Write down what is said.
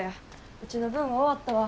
ウチの分は終わったわ。